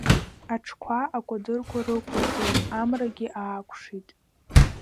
Аҽқәа акәадырқәа рықәырҵеит амрагьы аақәшит.